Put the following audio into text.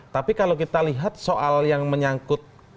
tapi kalau kita lihat soal yang menyangkut